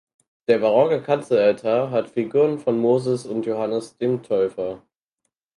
Der barocke Kanzelaltar hat Figuren von Moses und Johannes dem Täufer.